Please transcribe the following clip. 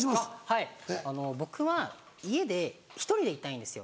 はいあの僕は家で１人でいたいんですよ。